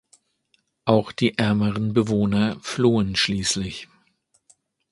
Auch die ärmeren Bewohner flohen schließlich.